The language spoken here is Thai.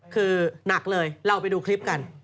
คือหนักเลยเราไปดูคลิปกัน